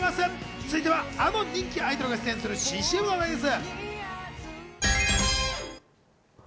続いてはあの人気アイドルが出演する新ＣＭの話題です。